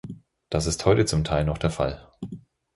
Das ist heute zum Teil noch der Fall.